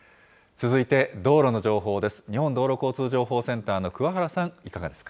続いて、道路の情報です。